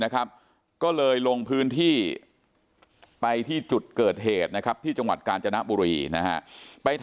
ก็เลยลงพื้นที่ไปที่จุดเกิดเหตุที่จังหวัดกาญจนบุรี